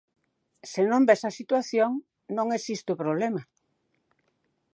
Se non ves a situación, non existe o problema.